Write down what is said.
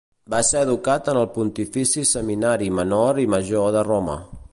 Va ser educat en el Pontifici Seminari Menor i Major de Roma.